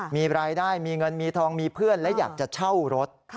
มีรายได้มีเงินมีทองมีเพื่อนและอยากจะเช่ารถ